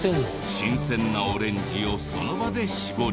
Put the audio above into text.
新鮮なオレンジをその場で搾り。